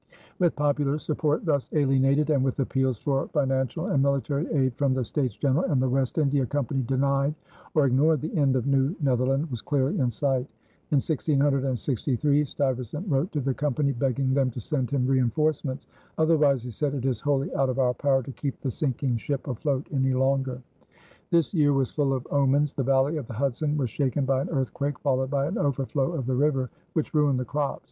With popular support thus alienated and with appeals for financial and military aid from the States General and the West India Company denied or ignored, the end of New Netherland was clearly in sight. In 1663 Stuyvesant wrote to the Company begging them to send him reënforcements. "Otherwise," he said, "it is wholly out of our power to keep the sinking ship afloat any longer." This year was full of omens. The valley of the Hudson was shaken by an earthquake followed by an overflow of the river, which ruined the crops.